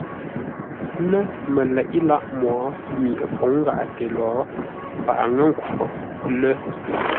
Lə̂ məleʼé lâʼ mwo mi ə́ pǒŋ gháʼate lo, paghʼə ŋə̂ nkhwo lə́.